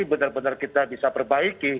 benar benar kita bisa perbaiki